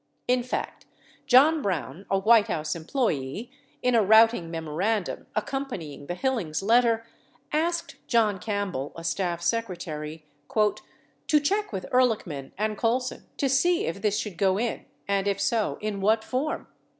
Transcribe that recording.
69 In fact, John Brown, a White House employee, in a routing memorandum accompanying the Hillings letter, asked John Campbell (a staff secretary) , "to check with Ehrlichman and Colson, to see if this should go in and if so, in what form."